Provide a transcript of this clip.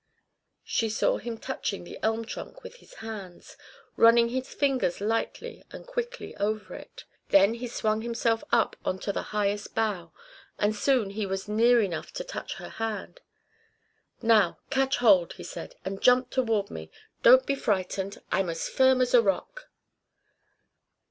She saw him touching the elm trunk with his hands, running his fingers lightly and quickly over it. Then he swung himself up on to the lowest bough, and soon he was near enough to touch her hand. "Now catch hold," he said, "and jump toward me. Don't be frightened. I'm as firm as a rock."